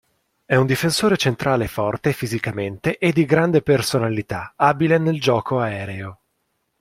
È un difensore centrale forte fisicamente e di grande personalità abile nel gioco aereo.